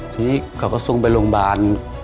ทีนี้เขาก็ส่งไปโรงพยาบาล